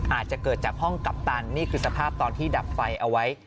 อาจจะเกิดจากห้องกัปตันนี่คือสภาพตอนที่ดับไฟเอาไว้